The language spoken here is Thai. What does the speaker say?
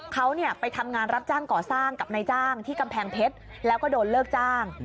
เขาไปทำงานรับจ้างก่อสร้างกับนายจ้างที่กำแพงเพชรแล้วก็โดนเลิกจ้าง